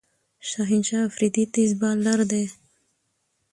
شاهین شاه آفريدي تېز بالر دئ.